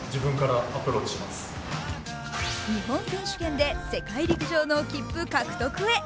日本選手権で世界陸上の切符獲得へ。